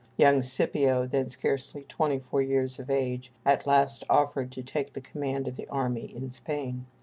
Young Scipio, then scarcely twenty four years of age, at last offered to take the command of the army in Spain.